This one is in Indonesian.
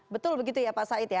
betul begitu ya pak said ya